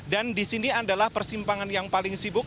dan disini adalah persimpangan yang paling sibuk